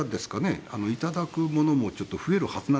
頂くものもちょっと増えるはずなんですけどもね